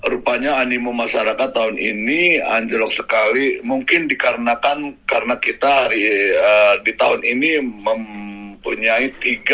rupanya animo masyarakat tahun ini anjlok sekali mungkin dikarenakan karena kita di tahun ini mempunyai tiga